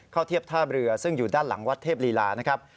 เทียบท่าเรือซึ่งอยู่ด้านหลังวัดเทพลีลานะครับ